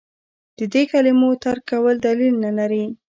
د دې کلمو ترک کول دلیل نه لري.